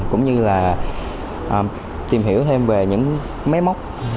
cũng như là tìm hiểu thêm về những máy móc